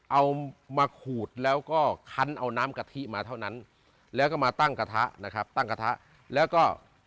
เอามาขูดแล้วก็คันเอาน้ำกะทิมาเท่านั้นแล้วก็มาตั้งกระทะนะครับตั้งกระทะแล้วก็